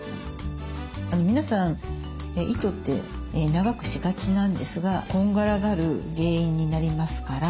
皆さん糸って長くしがちなんですがこんがらがる原因になりますから。